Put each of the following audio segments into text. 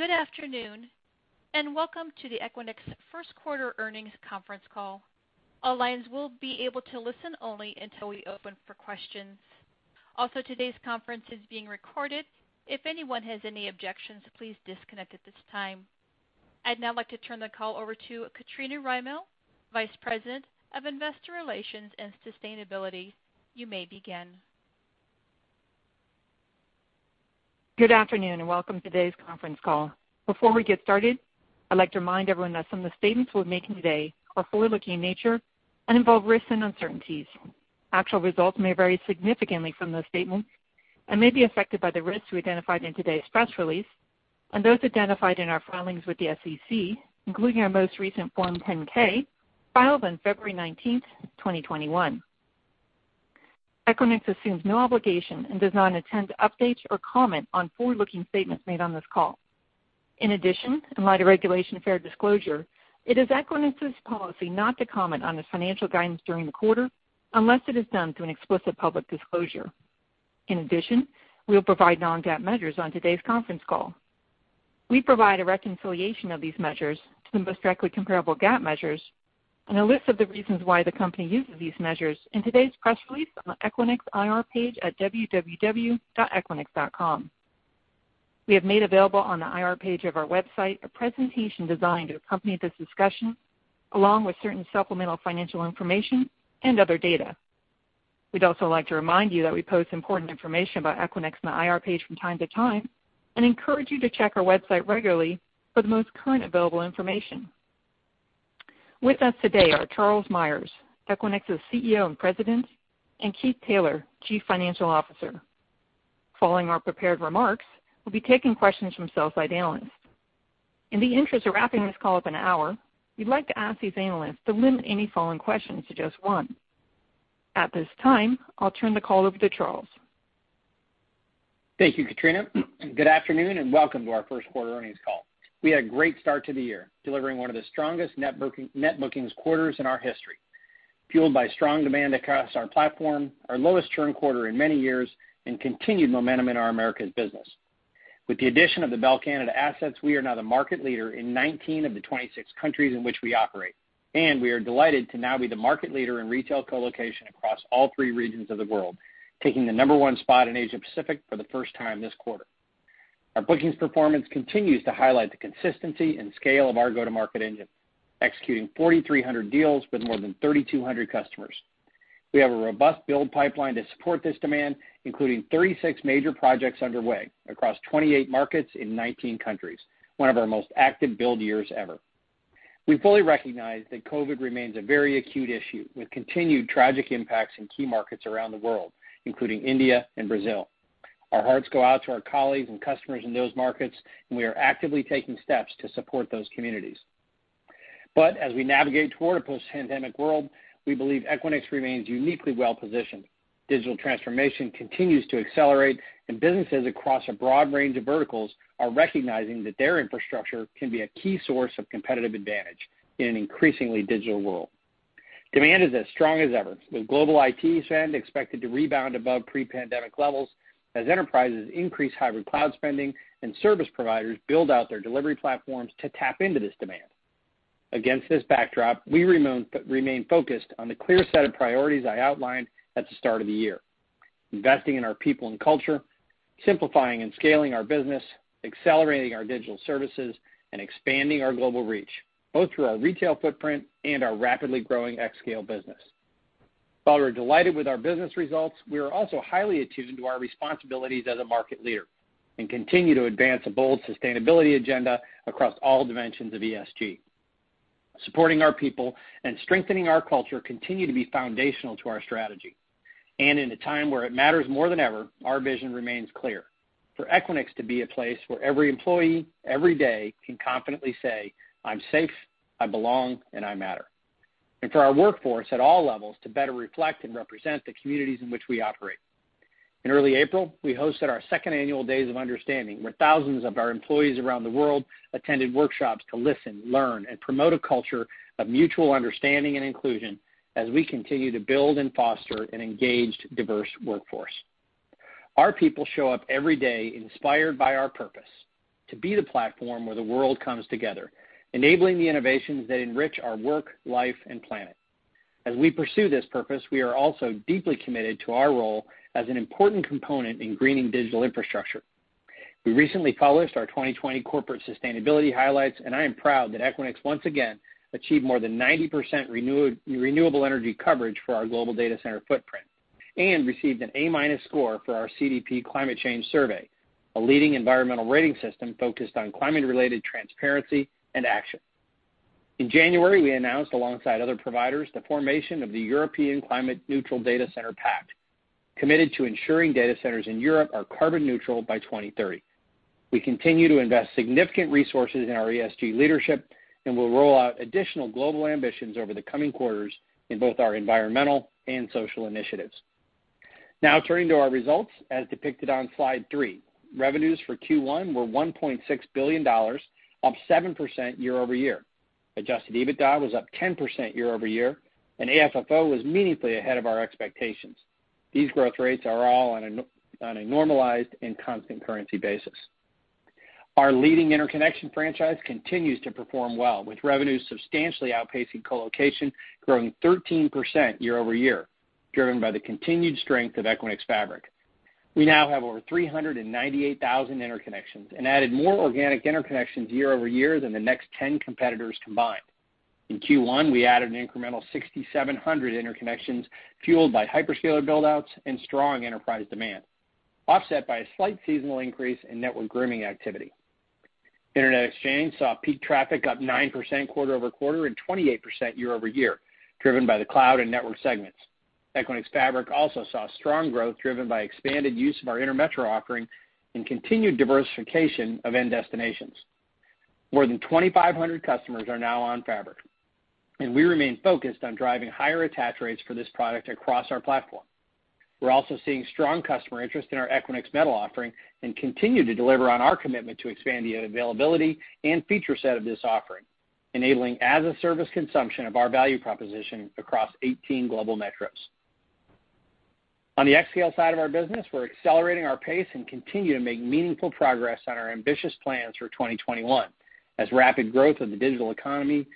Good afternoon, and welcome to the Equinix first quarter earnings conference call. All lines will be able to listen only until we open for questions. Also, today's conference is being recorded. If anyone has any objections, please disconnect at this time. I'd now like to turn the call over to Katrina Rymill, Vice President of Investor Relations and Sustainability. You may begin. Good afternoon, welcome to today's conference call. Before we get started, I'd like to remind everyone that some of the statements we're making today are forward-looking in nature and involve risks and uncertainties. Actual results may vary significantly from those statements and may be affected by the risks we identified in today's press release and those identified in our filings with the SEC, including our most recent Form 10-K filed on February 19th, 2021. Equinix assumes no obligation and does not intend to update or comment on forward-looking statements made on this call. In addition, in light of Regulation FD, it is Equinix's policy not to comment on its financial guidance during the quarter unless it is done through an explicit public disclosure. In addition, we will provide non-GAAP measures on today's conference call. We provide a reconciliation of these measures to the most directly comparable GAAP measures and a list of the reasons why the company uses these measures in today's press release on the Equinix IR page at www.equinix.com. We have made available on the IR page of our website a presentation designed to accompany this discussion, along with certain supplemental financial information and other data. We'd also like to remind you that we post important information about Equinix on the IR page from time to time and encourage you to check our website regularly for the most current available information. With us today are Charles Meyers, Equinix's CEO and President, and Keith Taylor, Chief Financial Officer. Following our prepared remarks, we'll be taking questions from sell-side analysts. In the interest of wrapping this call up in an hour, we'd like to ask these analysts to limit any following questions to just one. At this time, I'll turn the call over to Charles Meyers. Thank you, Katrina. Good afternoon, welcome to our first quarter earnings call. We had a great start to the year, delivering one of the strongest net bookings quarters in our history, fueled by strong demand across our platform, our lowest churn quarter in many years, and continued momentum in our Americas business. With the addition of the Bell Canada assets, we are now the market leader in 19 of the 26 countries in which we operate, we are delighted to now be the market leader in retail colocation across all three regions of the world, taking the number one spot in Asia Pacific for the first time this quarter. Our bookings performance continues to highlight the consistency and scale of our go-to-market engine, executing 4,300 deals with more than 3,200 customers. We have a robust build pipeline to support this demand, including 36 major projects underway across 28 markets in 19 countries, one of our most active build years ever. We fully recognize that COVID remains a very acute issue, with continued tragic impacts in key markets around the world, including India and Brazil. Our hearts go out to our colleagues and customers in those markets, and we are actively taking steps to support those communities. As we navigate toward a post-pandemic world, we believe Equinix remains uniquely well-positioned. Digital transformation continues to accelerate, and businesses across a broad range of verticals are recognizing that their infrastructure can be a key source of competitive advantage in an increasingly digital world. Demand is as strong as ever, with global IT spend expected to rebound above pre-pandemic levels as enterprises increase hybrid cloud spending and service providers build out their delivery platforms to tap into this demand. Against this backdrop, we remain focused on the clear set of priorities I outlined at the start of the year: investing in our people and culture, simplifying and scaling our business, accelerating our digital services, and expanding our global reach, both through our retail footprint and our rapidly growing xScale business. While we are delighted with our business results, we are also highly attuned to our responsibilities as a market leader and continue to advance a bold sustainability agenda across all dimensions of ESG. Supporting our people and strengthening our culture continue to be foundational to our strategy. In a time where it matters more than ever, our vision remains clear: for Equinix to be a place where every employee, every day, can confidently say, "I'm safe, I belong, and I matter," and for our workforce at all levels to better reflect and represent the communities in which we operate. In early April, we hosted our second annual Days of Understanding, where thousands of our employees around the world attended workshops to listen, learn, and promote a culture of mutual understanding and inclusion as we continue to build and foster an engaged, diverse workforce. Our people show up every day inspired by our purpose: to be the platform where the world comes together, enabling the innovations that enrich our work, life, and planet. As we pursue this purpose, we are also deeply committed to our role as an important component in greening digital infrastructure. We recently published our 2020 corporate sustainability highlights. I am proud that Equinix once again achieved more than 90% renewable energy coverage for our global data center footprint and received an A-minus score for our CDP Climate Change Survey, a leading environmental rating system focused on climate-related transparency and action. In January, we announced, alongside other providers, the formation of the European Climate Neutral Data Centre Pact, committed to ensuring data centers in Europe are carbon neutral by 2030. We continue to invest significant resources in our ESG leadership and will roll out additional global ambitions over the coming quarters in both our environmental and social initiatives. Turning to our results as depicted on slide three. Revenues for Q1 were $1.6 billion, up 7% year-over-year. Adjusted EBITDA was up 10% year-over-year. AFFO was meaningfully ahead of our expectations. These growth rates are all on a normalized and constant currency basis. Our leading interconnection franchise continues to perform well, with revenues substantially outpacing colocation, growing 13% year-over-year, driven by the continued strength of Equinix Fabric. We now have over 398,000 interconnections and added more organic interconnections year-over-year than the next 10 competitors combined. In Q1, we added an incremental 6,700 interconnections fueled by hyperscaler build-outs and strong enterprise demand, offset by a slight seasonal increase in network grooming activity. Internet exchange saw peak traffic up 9% quarter-over-quarter and 28% year-over-year, driven by the cloud and network segments. Equinix Fabric also saw strong growth driven by expanded use of our inter-metro offering and continued diversification of end destinations. More than 2,500 customers are now on Fabric, and we remain focused on driving higher attach rates for this product across our platform. We're also seeing strong customer interest in our Equinix Metal offering and continue to deliver on our commitment to expand the availability and feature set of this offering, enabling as-a-service consumption of our value proposition across 18 global metros. On the xScale side of our business, we're accelerating our pace and continue to make meaningful progress on our ambitious plans for 2021, as rapid growth of the digital economy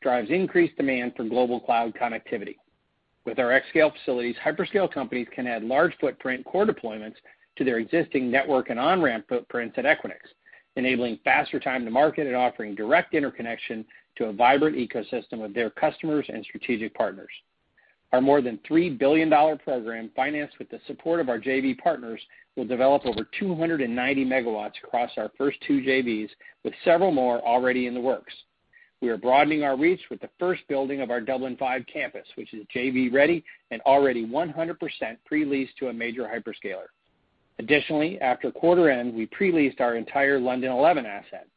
drives increased demand for global cloud connectivity. With our xScale facilities, hyperscale companies can add large footprint core deployments to their existing network and on-ramp footprints at Equinix, enabling faster time to market and offering direct interconnection to a vibrant ecosystem of their customers and strategic partners. Our more than $3 billion program, financed with the support of our JV partners, will develop over 290 megawatts across our first two JVs, with several more already in the works. We are broadening our reach with the first building of our DB5x campus, which is JV-ready and already 100% pre-leased to a major hyperscaler. Additionally, after quarter end, we pre-leased our entire London 11 asset.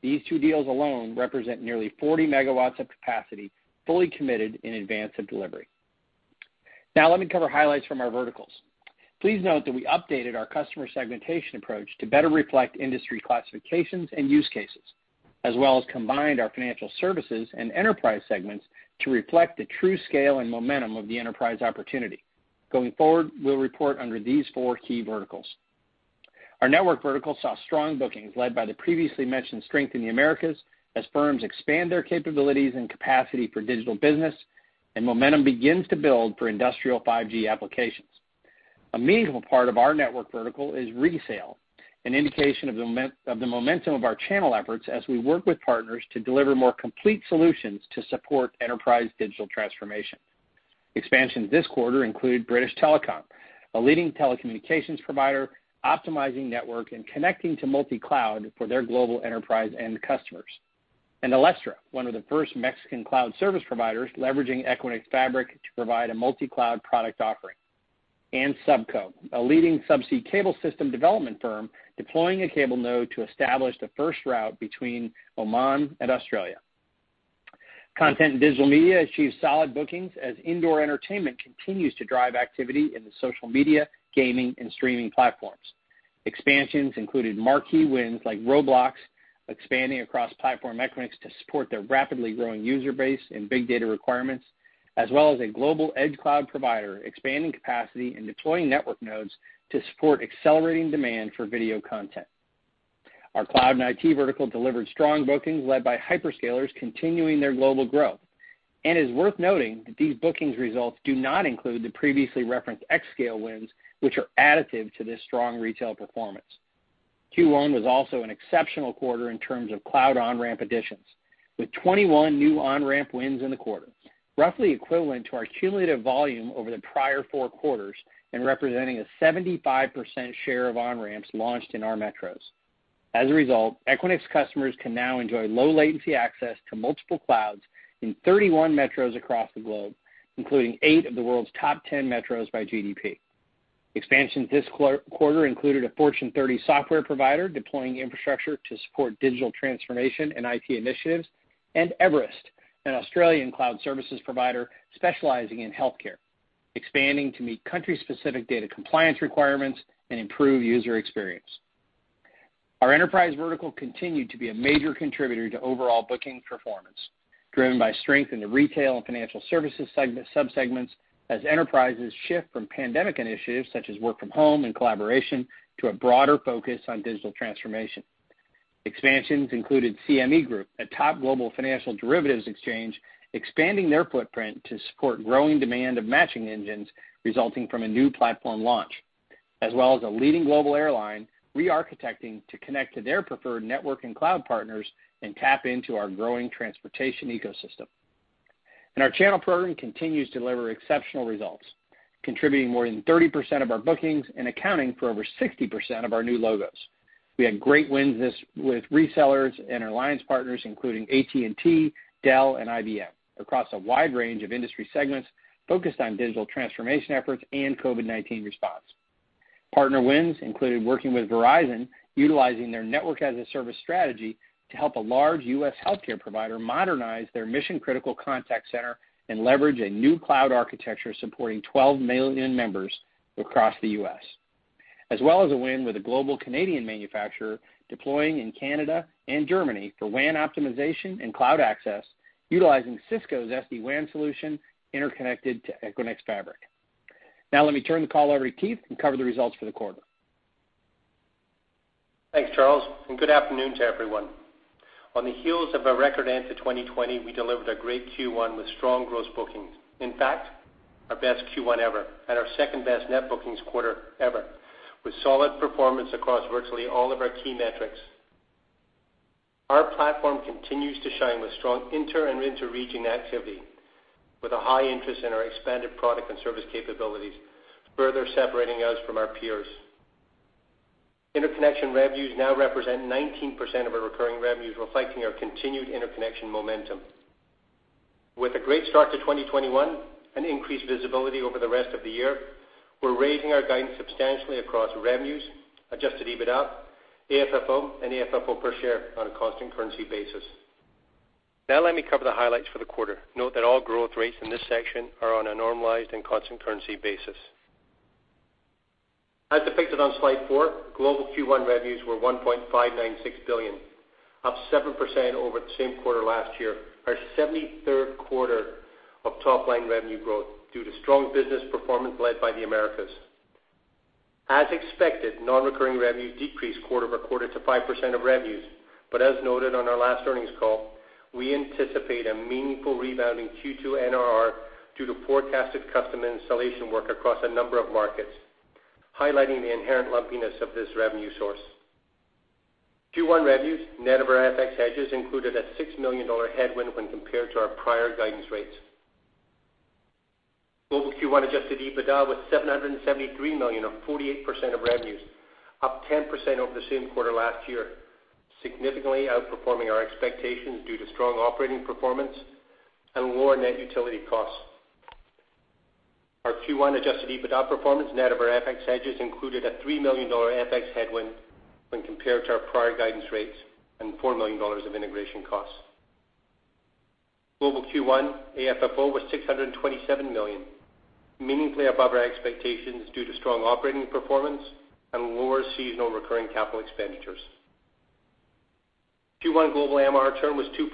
These two deals alone represent nearly 40 MW of capacity, fully committed in advance of delivery. Now let me cover highlights from our verticals. Please note that we updated our customer segmentation approach to better reflect industry classifications and use cases, as well as combined our financial services and enterprise segments to reflect the true scale and momentum of the enterprise opportunity. Going forward, we'll report under these four key verticals. Our network vertical saw strong bookings led by the previously mentioned strength in the Americas as firms expand their capabilities and capacity for digital business and momentum begins to build for industrial 5G applications. A meaningful part of our network vertical is resale, an indication of the momentum of our channel efforts as we work with partners to deliver more complete solutions to support enterprise digital transformation. Expansions this quarter include British Telecom, a leading telecommunications provider, optimizing network and connecting to multi-cloud for their global enterprise end customers. Alestra, one of the first Mexican cloud service providers leveraging Equinix Fabric to provide a multi-cloud product offering. SubCom, a leading subsea cable system development firm deploying a cable node to establish the first route between Oman and Australia. Content and digital media achieved solid bookings as indoor entertainment continues to drive activity in the social media, gaming, and streaming platforms. Expansions included marquee wins like Roblox expanding across Platform Equinix to support their rapidly growing user base and big data requirements, as well as a global edge cloud provider expanding capacity and deploying network nodes to support accelerating demand for video content. Our cloud and IT vertical delivered strong bookings led by hyperscalers continuing their global growth. It's worth noting that these bookings results do not include the previously referenced xScale wins, which are additive to this strong retail performance. Q1 was also an exceptional quarter in terms of cloud on-ramp additions, with 21 new on-ramp wins in the quarter, roughly equivalent to our cumulative volume over the prior four quarters and representing a 75% share of on-ramps launched in our metros. As a result, Equinix customers can now enjoy low-latency access to multiple clouds in 31 metros across the globe, including eight of the world's top 10 metros by GDP. Expansions this quarter included a Fortune 30 software provider deploying infrastructure to support digital transformation and IT initiatives, and Everest, an Australian cloud services provider specializing in healthcare, expanding to meet country-specific data compliance requirements and improve user experience. Our enterprise vertical continued to be a major contributor to overall booking performance, driven by strength in the retail and financial services sub-segments as enterprises shift from pandemic initiatives such as work from home and collaboration to a broader focus on digital transformation. Expansions included CME Group, a top global financial derivatives exchange, expanding their footprint to support growing demand of matching engines resulting from a new platform launch, as well as a leading global airline re-architecting to connect to their preferred network and cloud partners and tap into our growing transportation ecosystem. Our channel program continues to deliver exceptional results, contributing more than 30% of our bookings and accounting for over 60% of our new logos. We had great wins with resellers and alliance partners, including AT&T, Dell, and IBM, across a wide range of industry segments focused on digital transformation efforts and COVID-19 response. Partner wins included working with Verizon, utilizing their network as a service strategy to help a large U.S. healthcare provider modernize their mission-critical contact center and leverage a new cloud architecture supporting 12 million members across the U.S. As well as a win with a global Canadian manufacturer deploying in Canada and Germany for WAN optimization and cloud access utilizing Cisco's SD-WAN solution interconnected to Equinix Fabric. Let me turn the call over to Keith to cover the results for the quarter. Thanks, Charles. Good afternoon to everyone. On the heels of a record end to 2020, we delivered a great Q1 with strong gross bookings. In fact, our best Q1 ever and our second-best net bookings quarter ever, with solid performance across virtually all of our key metrics. Our platform continues to shine with strong inter and intra-region activity, with a high interest in our expanded product and service capabilities, further separating us from our peers. Interconnection revenues now represent 19% of our recurring revenues, reflecting our continued interconnection momentum. With a great start to 2021 and increased visibility over the rest of the year, we're raising our guidance substantially across revenues, adjusted EBITDA, AFFO, and AFFO per share on a constant currency basis. Let me cover the highlights for the quarter. Note that all growth rates in this section are on a normalized and constant currency basis. As depicted on slide four, global Q1 revenues were $1.596 billion, up 7% over the same quarter last year, our 73rd quarter of top-line revenue growth due to strong business performance led by the Americas. As expected, non-recurring revenue decreased quarter-over-quarter to 5% of revenues. As noted on our last earnings call, we anticipate a meaningful rebound in Q2 NRR due to forecasted custom installation work across a number of markets, highlighting the inherent lumpiness of this revenue source. Q1 revenues, net of our FX hedges, included a $6 million headwind when compared to our prior guidance rates. Global Q1 adjusted EBITDA was $773 million, or 48% of revenues, up 10% over the same quarter last year, significantly outperforming our expectations due to strong operating performance and lower net utility costs. Our Q1 adjusted EBITDA performance, net of our FX hedges, included a $3 million FX headwind when compared to our prior guidance rates and $4 million of integration costs. Global Q1 AFFO was $627 million, meaningfully above our expectations due to strong operating performance and lower seasonal recurring capital expenditures. Q1 global MRR churn was 2%,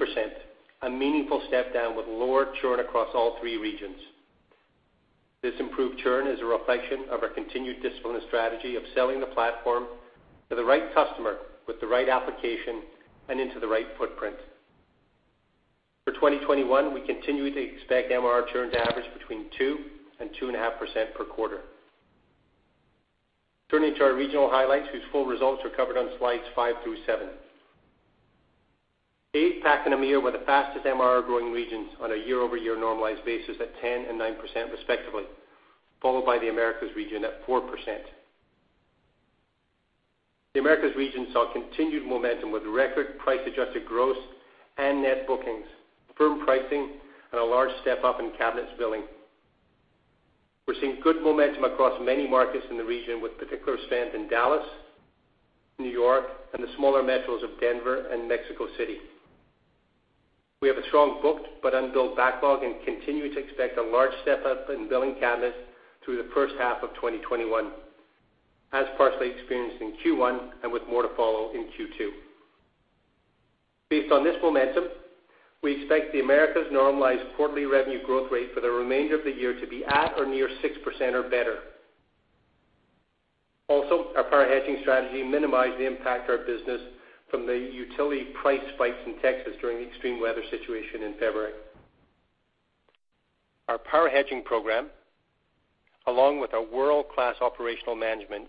a meaningful step down with lower churn across all three regions. This improved churn is a reflection of our continued disciplined strategy of selling the platform to the right customer with the right application and into the right footprint. For 2021, we continue to expect MRR churn to average between 2% and 2.5% per quarter. Turning to our regional highlights, whose full results are covered on slides five through seven. APAC, and EMEA were the fastest MRR growing regions on a year-over-year normalized basis at 10% and 9% respectively, followed by the Americas region at 4%. The Americas region saw continued momentum with record price-adjusted gross and net bookings, firm pricing, and a large step-up in cabinets billing. We're seeing good momentum across many markets in the region, with particular strength in Dallas, New York, and the smaller metros of Denver and Mexico City. We have a strong booked but unbilled backlog and continue to expect a large step-up in billing cabinets through the first half of 2021, as partially experienced in Q1 and with more to follow in Q2. Based on this momentum, we expect the Americas' normalized quarterly revenue growth rate for the remainder of the year to be at or near 6% or better. Also, our power hedging strategy minimized the impact to our business from the utility price spikes in Texas during the extreme weather situation in February. Our power hedging program, along with our world-class operational management,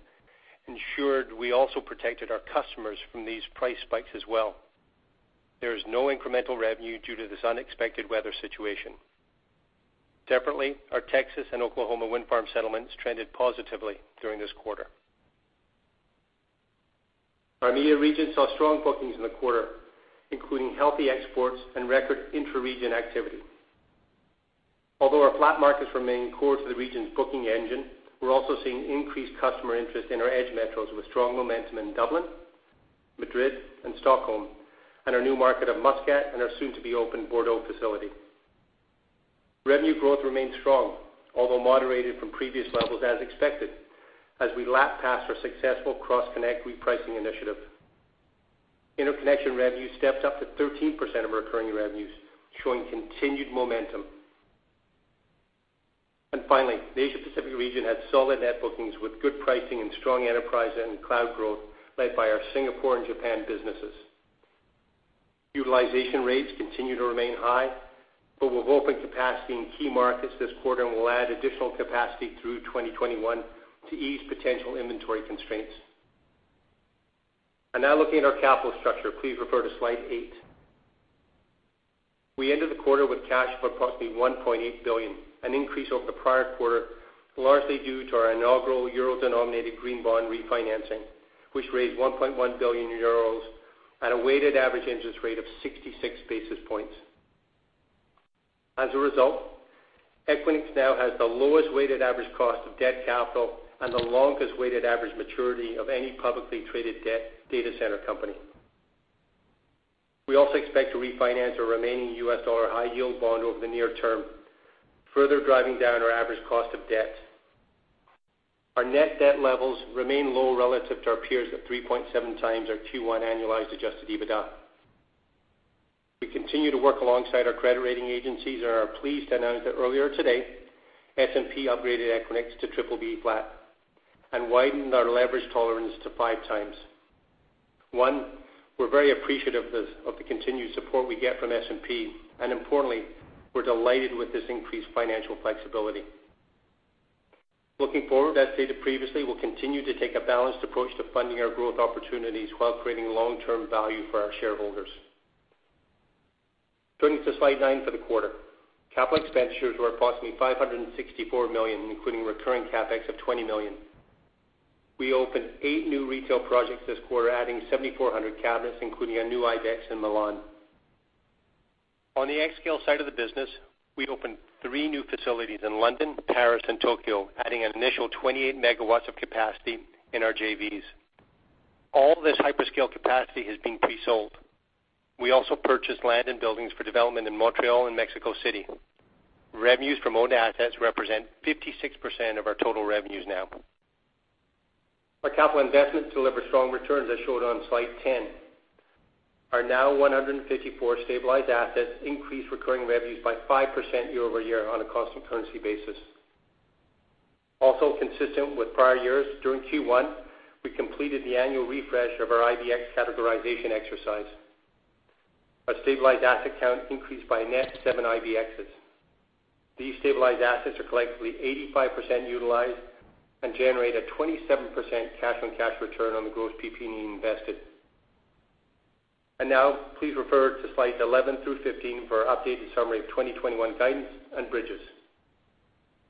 ensured we also protected our customers from these price spikes as well. There is no incremental revenue due to this unexpected weather situation. Separately, our Texas and Oklahoma wind farm settlements trended positively during this quarter. Our EMEA region saw strong bookings in the quarter, including healthy exports and record intra-region activity. Although our FLAP markets remain core to the region's booking engine, we're also seeing increased customer interest in our edge metros, with strong momentum in Dublin, Madrid, and Stockholm, and our new market of Muscat and our soon-to-be-open Bordeaux facility. Revenue growth remains strong, although moderated from previous levels as expected, as we lap past our successful cross-connect repricing initiative. Interconnection revenue stepped up to 13% of our recurring revenues, showing continued momentum. Finally, the Asia Pacific region had solid net bookings with good pricing and strong enterprise and cloud growth led by our Singapore and Japan businesses. Utilization rates continue to remain high, we've opened capacity in key markets this quarter and will add additional capacity through 2021 to ease potential inventory constraints. Now looking at our capital structure, please refer to slide eight. We ended the quarter with cash of approximately $1.8 billion, an increase over the prior quarter, largely due to our inaugural euro-denominated green bond refinancing, which raised 1.1 billion euros at a weighted average interest rate of 66 basis points. As a result, Equinix now has the lowest weighted average cost of debt capital and the longest weighted average maturity of any publicly traded data center company. We also expect to refinance our remaining US dollar high-yield bond over the near term, further driving down our average cost of debt. Our net debt levels remain low relative to our peers at 3.7x our Q1 annualized adjusted EBITDA. We continue to work alongside our credit rating agencies and are pleased to announce that earlier today, S&P upgraded Equinix to BBB flat and widened our leverage tolerance to 5x. We're very appreciative of the continued support we get from S&P, and importantly, we're delighted with this increased financial flexibility. Looking forward, as stated previously, we'll continue to take a balanced approach to funding our growth opportunities while creating long-term value for our shareholders. Turning to slide nine for the quarter. Capital expenditures were approximately $564 million, including recurring CapEx of $20 million. We opened eight new retail projects this quarter, adding 7,400 cabinets, including a new IBX in Milan. On the xScale side of the business, we opened three new facilities in London, Paris, and Tokyo, adding an initial 28 MW of capacity in our JVs. All this hyperscale capacity has been pre-sold. We also purchased land and buildings for development in Montreal and Mexico City. Revenues from owned assets represent 56% of our total revenues now. Our capital investments deliver strong returns, as showed on slide 10. Our now 154 stabilized assets increase recurring revenues by 5% year-over-year on a constant currency basis. Also consistent with prior years, during Q1, we completed the annual refresh of our IBX categorization exercise. Our stabilized asset count increased by a net seven IBXs. These stabilized assets are collectively 85% utilized and generate a 27% cash-on-cash return on the gross PP&E invested. Now please refer to slides 11 through 15 for our updated summary of 2021 guidance and bridges.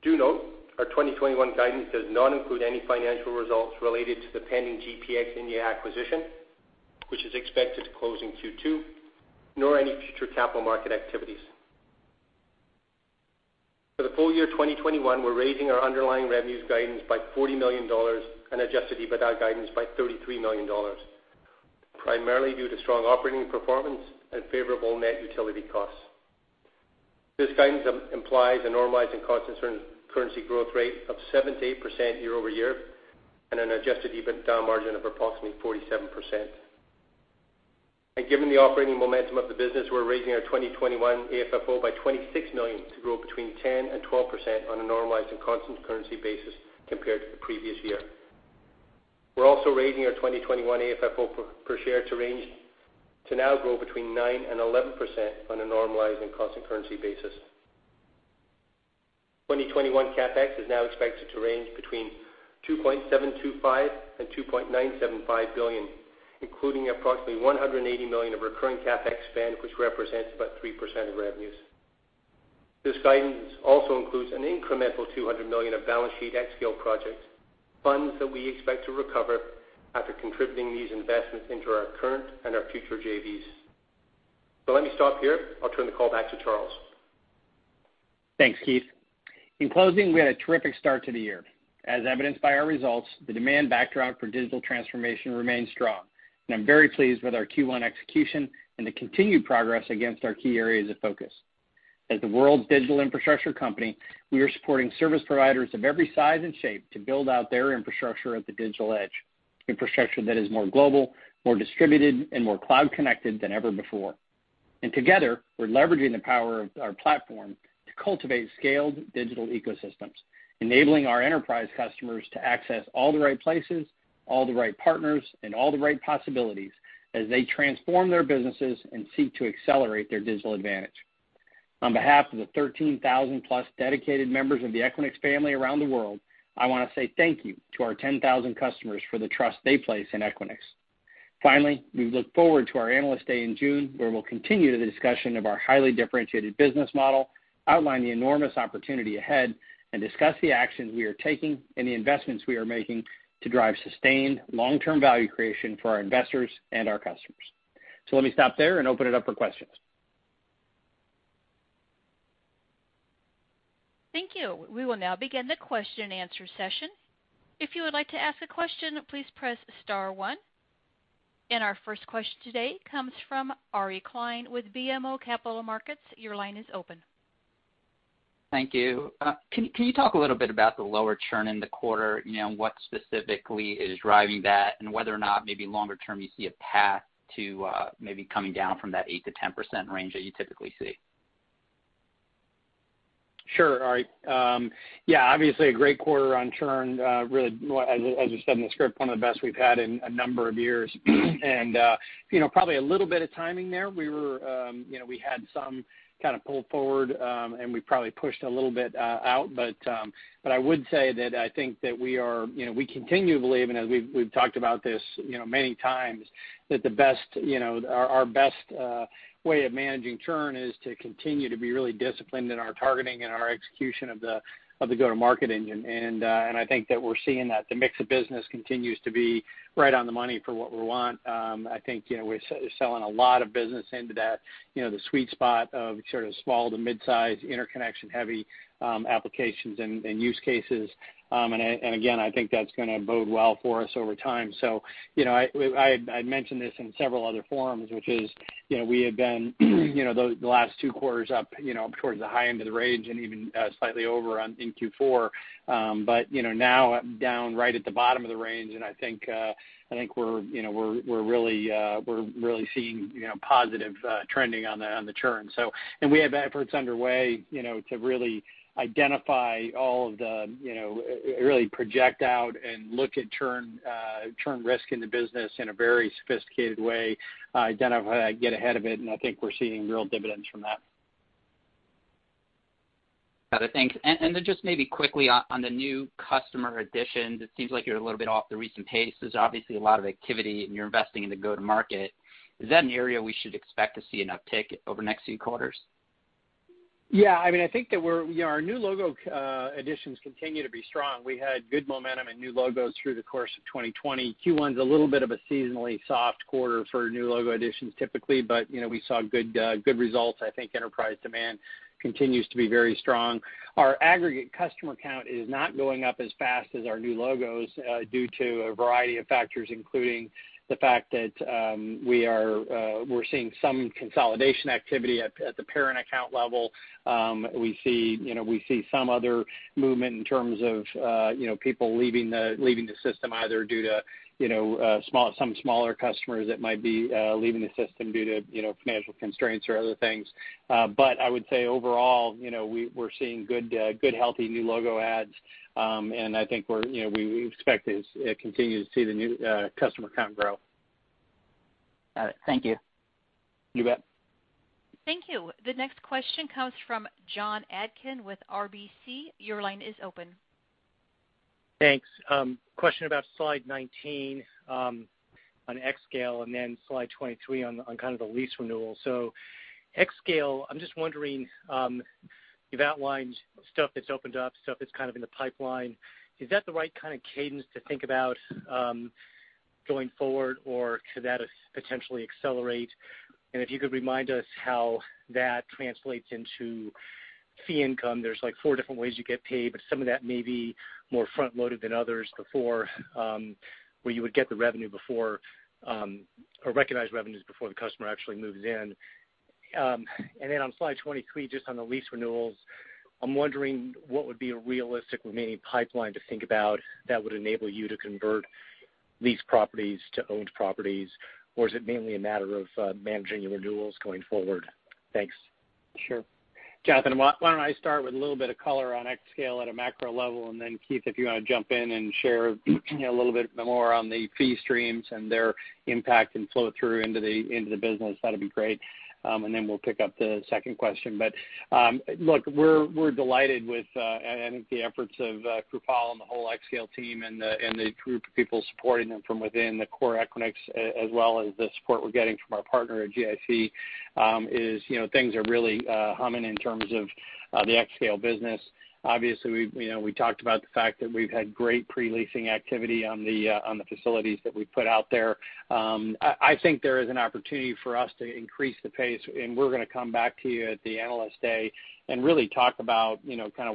Do note our 2021 guidance does not include any financial results related to the pending GPX India acquisition, which is expected to close in Q2, nor any future capital market activities. For the full year 2021, we're raising our underlying revenues guidance by $40 million and adjusted EBITDA guidance by $33 million, primarily due to strong operating performance and favorable net utility costs. This guidance implies a normalizing constant currency growth rate of 7%-8% year-over-year and an adjusted EBITDA margin of approximately 47%. Given the operating momentum of the business, we're raising our 2021 AFFO by $26 million to grow between 10% and 12% on a normalized and constant currency basis compared to the previous year. We're also raising our 2021 AFFO per share to range to now grow between 9% and 11% on a normalized and constant currency basis. 2021 CapEx is now expected to range between $2.725 billion and $2.975 billion, including approximately $180 million of recurring CapEx spend, which represents about 3% of revenues. This guidance also includes an incremental $200 million of balance sheet xScale projects, funds that we expect to recover after contributing these investments into our current and our future JVs. Let me stop here. I'll turn the call back to Charles. Thanks, Keith. In closing, we had a terrific start to the year. As evidenced by our results, the demand backdrop for digital transformation remains strong, and I'm very pleased with our Q1 execution and the continued progress against our key areas of focus. As the world's digital infrastructure company, we are supporting service providers of every size and shape to build out their infrastructure at the digital edge, infrastructure that is more global, more distributed, and more cloud connected than ever before. Together, we're leveraging the power of our platform to cultivate scaled digital ecosystems, enabling our enterprise customers to access all the right places, all the right partners, and all the right possibilities as they transform their businesses and seek to accelerate their digital advantage. On behalf of the 13,000-plus dedicated members of the Equinix family around the world, I want to say thank you to our 10,000 customers for the trust they place in Equinix. Finally, we look forward to our Analyst Day in June, where we'll continue the discussion of our highly differentiated business model, outline the enormous opportunity ahead, and discuss the actions we are taking and the investments we are making to drive sustained long-term value creation for our investors and our customers. Let me stop there and open it up for questions. Thank you. We will now begin the question and answer session. If you would like to ask a question please press star one. Our first question today comes from Ari Klein with BMO Capital Markets. Your line is open. Thank you. Can you talk a little bit about the lower churn in the quarter? What specifically is driving that, and whether or not maybe longer term you see a path to maybe coming down from that 8%-10% range that you typically see? Sure, Ari. Yeah, obviously, a great quarter on churn. Really, as I said in the script, one of the best we've had in a number of years. Probably a little bit of timing there. We had some pull forward, and we probably pushed a little bit out. I would say that I think that we continue to believe, and as we've talked about this many times, that our best way of managing churn is to continue to be really disciplined in our targeting and our execution of the go-to-market engine. I think that we're seeing that the mix of business continues to be right on the money for what we want. I think we're selling a lot of business into that, the sweet spot of sort of small to mid-size interconnection heavy applications and use cases. Again, I think that's going to bode well for us over time. I mentioned this in several other forums, which is, we have been the last two quarters up towards the high end of the range, and even slightly over in Q4. Now down right at the bottom of the range, and I think we're really seeing positive trending on the churn. We have efforts underway to really identify all of the, really project out and look at churn risk in the business in a very sophisticated way, identify, get ahead of it, and I think we're seeing real dividends from that. Got it. Thanks. Just maybe quickly on the new customer additions, it seems like you're a little bit off the recent pace. There's obviously a lot of activity, and you're investing in the go-to-market. Is that an area we should expect to see an uptick over the next few quarters? I think that our new logo additions continue to be strong. We had good momentum and new logos through the course of 2020. Q1's a little bit of a seasonally soft quarter for new logo additions, typically, but we saw good results. I think enterprise demand continues to be very strong. Our aggregate customer count is not going up as fast as our new logos, due to a variety of factors, including the fact that we're seeing some consolidation activity at the parent account level. We see some other movement in terms of people leaving the system, either due to some smaller customers that might be leaving the system due to financial constraints or other things. I would say overall, we're seeing good, healthy new logo adds. I think we expect to continue to see the new customer count grow. All right. Thank you. You bet. Thank you. The next question comes from Jon Atkin with RBC. Your line is open. Thanks. Question about slide 19 on xScale, and then slide 23 on kind of the lease renewal. xScale, I'm just wondering, you've outlined stuff that's opened up, stuff that's kind of in the pipeline. Is that the right kind of cadence to think about going forward, or could that potentially accelerate? If you could remind us how that translates into fee income. There's four different ways you get paid, but some of that may be more front-loaded than others before, where you would get the revenue before, or recognize revenues before the customer actually moves in. On slide 23, just on the lease renewals, I'm wondering what would be a realistic remaining pipeline to think about that would enable you to convert leased properties to owned properties, or is it mainly a matter of managing your renewals going forward? Thanks. Sure. Jon, why don't I start with a little bit of color on xScale at a macro level, and then Keith, if you want to jump in and share a little bit more on the fee streams and their impact and flow through into the business, that'd be great. We'll pick up the second question. Look, we're delighted with, I think, the efforts of Krupal and the whole xScale team and the group of people supporting them from within the core Equinix, as well as the support we're getting from our partner at GIC is, things are really humming in terms of the xScale business. Obviously, we talked about the fact that we've had great pre-leasing activity on the facilities that we put out there. I think there is an opportunity for us to increase the pace, and we're going to come back to you at the Analyst Day and really talk about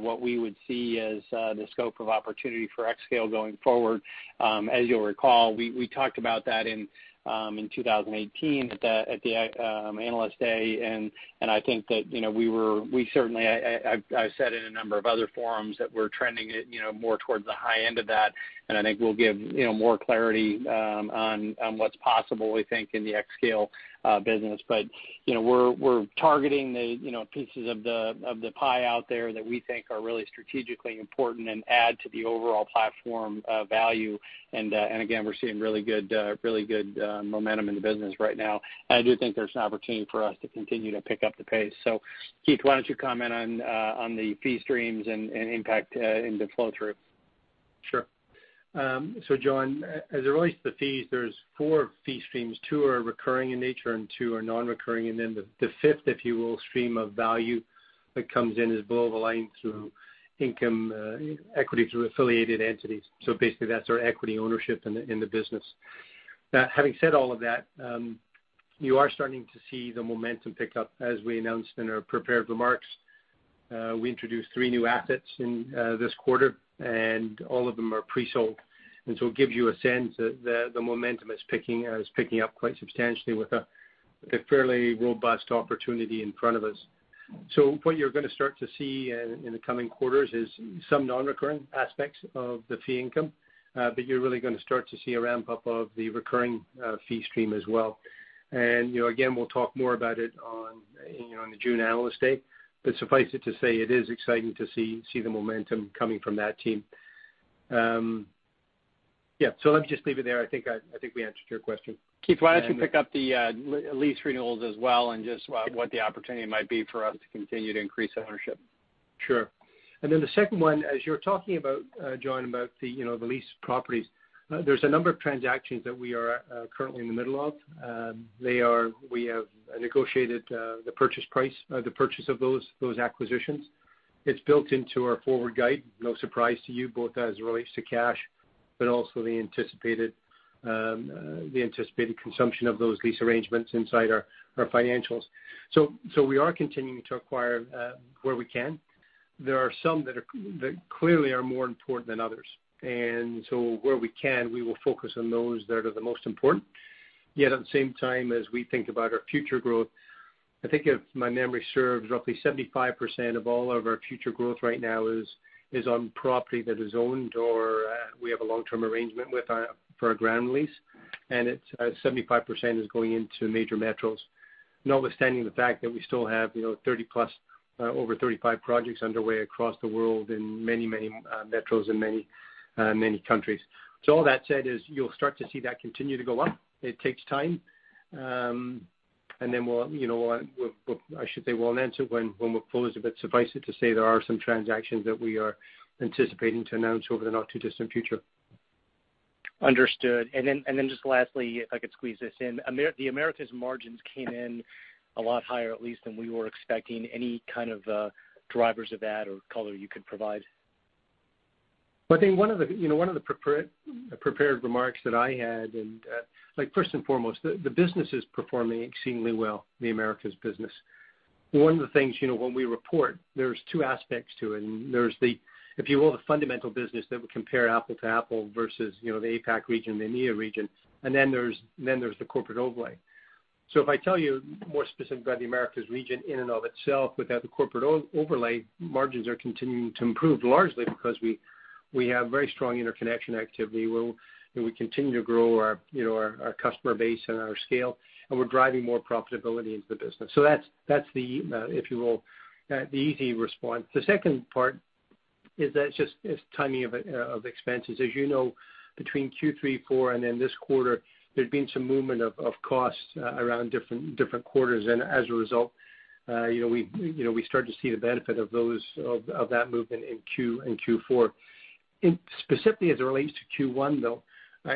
what we would see as the scope of opportunity for xScale going forward. As you'll recall, we talked about that in 2018 at the Analyst Day, and I think that we certainly, I've said in a number of other forums that we're trending it more towards the high end of that, and I think we'll give more clarity on what's possible, we think, in the xScale business. We're targeting the pieces of the pie out there that we think are really strategically important and add to the overall platform value. Again, we're seeing really good momentum in the business right now. I do think there's an opportunity for us to continue to pick up the pace. Keith, why don't you comment on the fee streams and impact into flow-through? Sure. Jon, as it relates to the fees, there's four fee streams. Two are recurring in nature, and two are non-recurring. The fifth, if you will, stream of value that comes in is below the line through income equity through affiliated entities. Basically, that's our equity ownership in the business. Having said all of that, you are starting to see the momentum pick up. As we announced in our prepared remarks, we introduced three new assets in this quarter, and all of them are pre-sold. It gives you a sense that the momentum is picking up quite substantially with a fairly robust opportunity in front of us. What you're going to start to see in the coming quarters is some non-recurring aspects of the fee income. You're really going to start to see a ramp-up of the recurring fee stream as well. Again, we'll talk more about it on the June Analyst Day. Suffice it to say, it is exciting to see the momentum coming from that team. Yeah. Let me just leave it there. I think we answered your question. Keith, why don't you pick up the lease renewals as well and just what the opportunity might be for us to continue to increase ownership? Sure. The second one, as you're talking about, Jon, about the leased properties, there's a number of transactions that we are currently in the middle of. We have negotiated the purchase of those acquisitions. It's built into our forward guide. No surprise to you, both as it relates to cash, but also the anticipated consumption of those lease arrangements inside our financials. We are continuing to acquire where we can. There are some that clearly are more important than others. Where we can, we will focus on those that are the most important. Yet at the same time, as we think about our future growth, I think if my memory serves, roughly 75% of all of our future growth right now is on property that is owned or we have a long-term arrangement for a ground lease. It's 75% is going into major metros. Notwithstanding the fact that we still have over 35 projects underway across the world in many metros in many countries. All that said is you'll start to see that continue to go up. It takes time. I should say we'll announce it when we're closer, but suffice it to say there are some transactions that we are anticipating to announce over the not-too-distant future. Understood. Just lastly, if I could squeeze this in. The Americas margins came in a lot higher, at least, than we were expecting. Any kind of drivers of that or color you could provide? I think one of the prepared remarks that I had, first and foremost, the business is performing exceedingly well, the Americas business. One of the things when we report, there's two aspects to it and there's the, if you will, the fundamental business that would compare apple to apple versus the APAC region, the India region. Then there's the corporate overlay. If I tell you more specifically about the Americas region in and of itself, without the corporate overlay, margins are continuing to improve, largely because we have very strong interconnection activity, and we continue to grow our customer base and our scale, and we're driving more profitability into the business. That's the, if you will, the easy response. The second part is that it's just timing of expenses. As you know, between Q3, Q4, and this quarter, there's been some movement of costs around different quarters. As a result, we start to see the benefit of that movement in Q4. Specifically as it relates to Q1, though,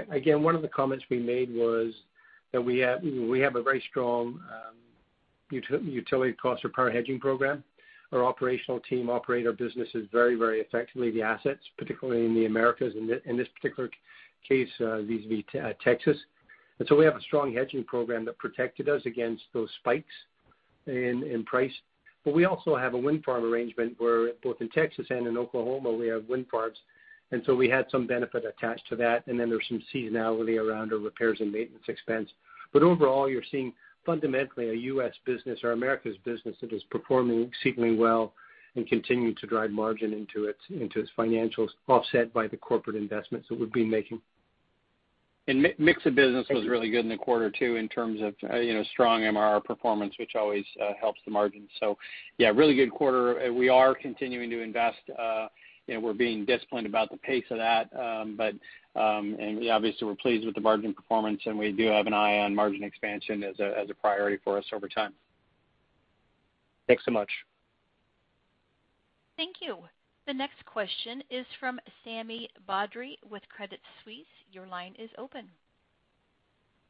again, one of the comments we made was that we have a very strong utility cost or power hedging program. Our operational team operate our businesses very effectively, the assets, particularly in the Americas, in this particular case, Texas. We have a strong hedging program that protected us against those spikes in price. We also have a wind farm arrangement where both in Texas and in Oklahoma, we have wind farms. We had some benefit attached to that. There's some seasonality around our repairs and maintenance expense. Overall, you're seeing fundamentally a U.S. business, or Americas business, that is performing exceedingly well and continuing to drive margin into its financials, offset by the corporate investments that we've been making. Mix of business was really good in the quarter too, in terms of strong MRR performance, which always helps the margin. Yeah, really good quarter. We are continuing to invest. We're being disciplined about the pace of that. Obviously, we're pleased with the margin performance, and we do have an eye on margin expansion as a priority for us over time. Thanks so much. Thank you. The next question is from Sami Badri with Credit Suisse. Your line is open.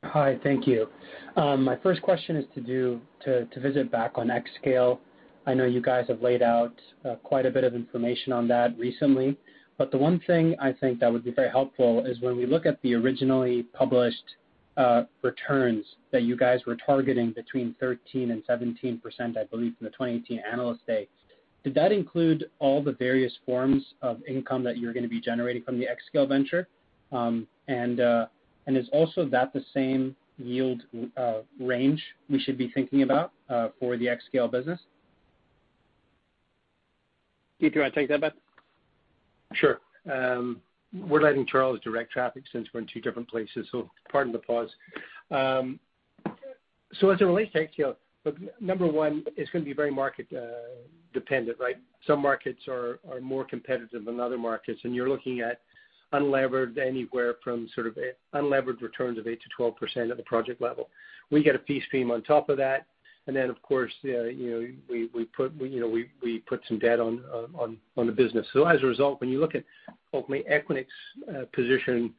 Hi. Thank you. My first question is to visit back on xScale. I know you guys have laid out quite a bit of information on that recently. The one thing I think that would be very helpful is when we look at the originally published returns that you guys were targeting between 13%-17%, I believe, in the 2018 Analyst Day, did that include all the various forms of income that you're going to be generating from the xScale venture? Is also that the same yield range we should be thinking about for the xScale business? Keith, do you want to take that bit? Sure. We're letting Charles direct traffic since we're in two different places, pardon the pause. As it relates to xScale, look, number one, it's going to be very market-dependent, right? Some markets are more competitive than other markets, and you're looking at unlevered anywhere from sort of unlevered returns of 8%-12% at the project level. We get a fee stream on top of that. Of course, we put some debt on the business. As a result, when you look at ultimately Equinix position,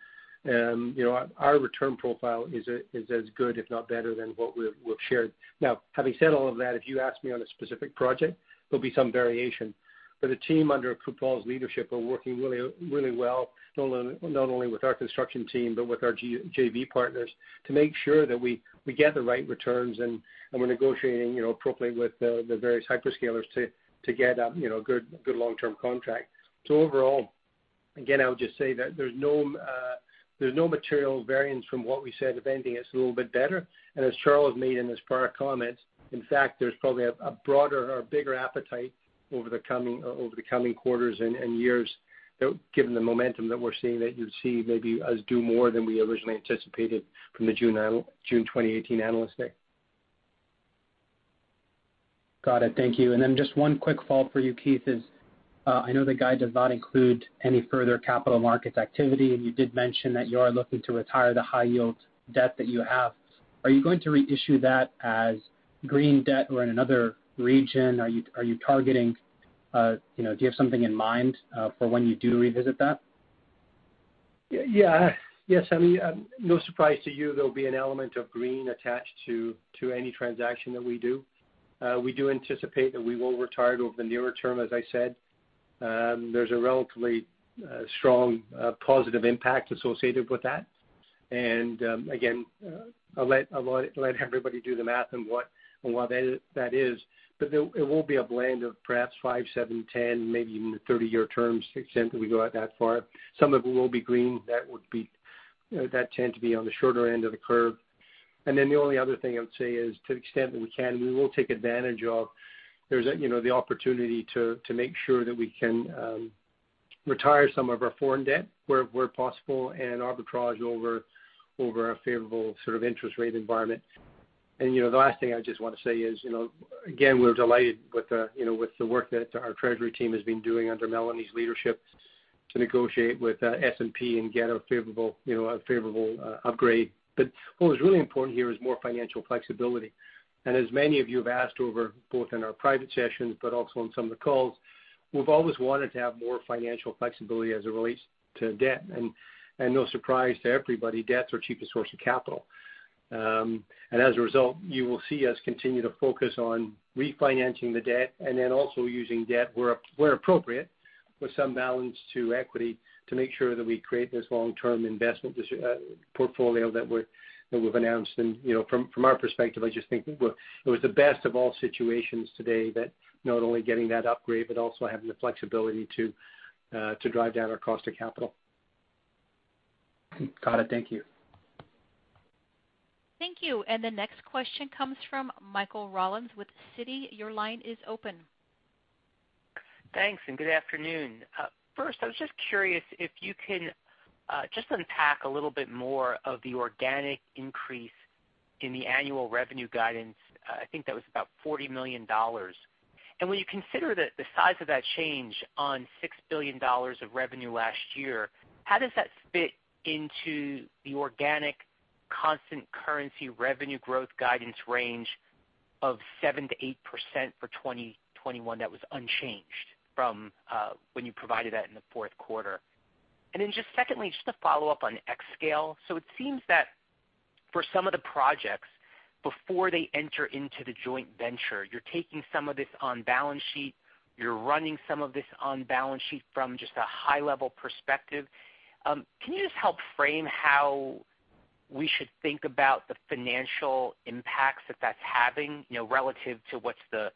our return profile is as good, if not better, than what we've shared. Having said all of that, if you ask me on a specific project, there'll be some variation. The team under Krupal's leadership are working really well, not only with our construction team, but with our JV partners to make sure that we get the right returns and we're negotiating appropriately with the various hyperscalers to get a good long-term contract. Overall, again, I would just say that there's no material variance from what we said. If anything, it's a little bit better. As Charles made in his prior comments, in fact, there's probably a broader or bigger appetite over the coming quarters and years, given the momentum that we're seeing, that you'll see maybe us do more than we originally anticipated from the June 2018 Analyst Day. Got it. Thank you. Just one quick follow-up for you, Keith, is, I know the guide does not include any further capital markets activity, and you did mention that you are looking to retire the high-yield debt that you have. Are you going to reissue that as green debt or in another region? Do you have something in mind for when you do revisit that? Yes. No surprise to you, there'll be an element of green attached to any transaction that we do. We do anticipate that we will retire it over the nearer term, as I said. There's a relatively strong positive impact associated with that. Again, I'll let everybody do the math on what that is. It will be a blend of perhaps five, seven, 10, maybe even the 30-year terms, the extent that we go out that far. Some of it will be green. That tend to be on the shorter end of the curve. The only other thing I would say is to the extent that we can, we will take advantage of the opportunity to make sure that we can retire some of our foreign debt where possible and arbitrage over a favorable sort of interest rate environment. The last thing I just want to say is, again, we're delighted with the work that our treasury team has been doing under Melanie's leadership to negotiate with S&P and get a favorable upgrade. What was really important here is more financial flexibility. As many of you have asked over both in our private sessions, but also on some of the calls, we've always wanted to have more financial flexibility as it relates to debt. No surprise to everybody, debt's our cheapest source of capital. As a result, you will see us continue to focus on refinancing the debt and then also using debt where appropriate with some balance to equity to make sure that we create this long-term investment portfolio that we've announced. From our perspective, I just think it was the best of all situations today that not only getting that upgrade, but also having the flexibility to drive down our cost of capital. Got it. Thank you. Thank you. The next question comes from Michael Rollins with Citi. Your line is open. Thanks, good afternoon. First, I was just curious if you can just unpack a little bit more of the organic increase in the annual revenue guidance. I think that was about $40 million. When you consider the size of that change on $6 billion of revenue last year, how does that fit into the organic constant currency revenue growth guidance range of 7%-8% for 2021 that was unchanged from when you provided that in the fourth quarter? Secondly, just to follow up on xScale. It seems that for some of the projects before they enter into the joint venture, you're taking some of this on balance sheet, you're running some of this on balance sheet from just a high-level perspective. Can you just help frame how we should think about the financial impacts that that's having relative to what's the